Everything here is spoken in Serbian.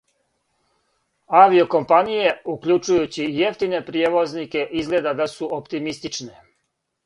Авио компаније, укључујући и јефтине пријевознике, изгледа да су оптимистичне.